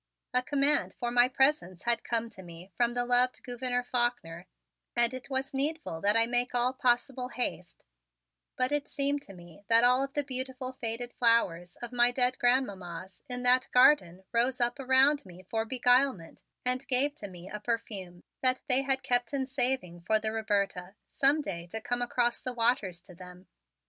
A command for my presence had come to me from the loved Gouverneur Faulkner and it was needful that I make all possible haste; but it seemed to me that all of the beautiful faded flowers of my dead grandmammas in that garden rose up around me for beguilement and gave to me a perfume that they had kept in saving for the Roberta, some day to come across the waters to them.